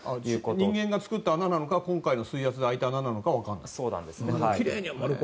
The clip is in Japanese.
人間が作った穴なのか今回の水圧で開いた穴なのかは分からない。